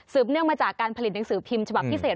เนื่องมาจากการผลิตหนังสือพิมพ์ฉบับพิเศษ